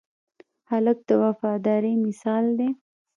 هلک د وفادارۍ مثال دی.